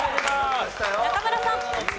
中村さん。